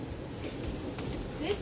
先生。